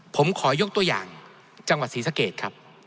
ผมขอยกตัวอย่างจังหวัดศรีสะเกดครับ